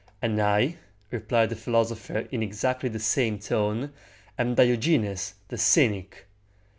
"And I," replied the philosopher in exactly the same tone, "am Diogenes the cynic!"